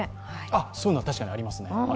そういうのは確かにありますね。